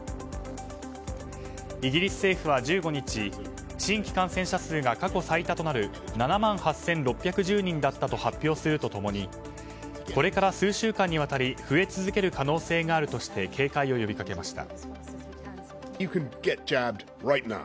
イギリス政府は１５日新規感染者数が過去最多となる７万８６１０人だっだと発表すると共にこれから数週間にわたり増え続ける可能性があるとして警戒を呼びかけました。